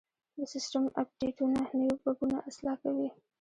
د سیسټم اپډیټونه نوي بګونه اصلاح کوي.